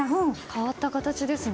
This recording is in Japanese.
変わった形ですね。